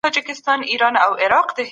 موږ په مځکه غځیدلي وو.